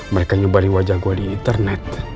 mereka nyebari wajah gue di internet